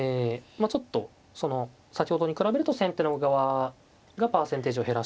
ちょっとその先ほどに比べると先手の側がパーセンテージを減らしてるというところですね。